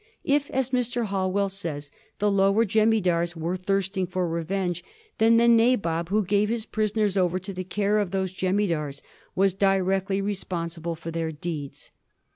If, as Mr. Hoi well says, the lower jemidars were thirsting for revenge, then the Na bob, who gave his prisoners over to the care of those jem idars, was directly responsible for their deeds.